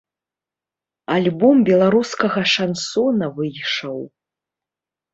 Альбом беларускага шансона выйшаў.